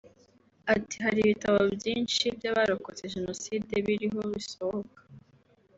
Ati “Hari ibitabo byinshi by’abarokotse Jenoside biriho bisohoka